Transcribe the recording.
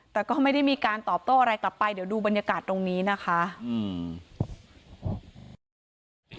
แต่ก็ไม่ได้มีการตอบโต้อะไรกลับไปเดี๋ยวดูบรรยากาศตรงนี้นะคะอืม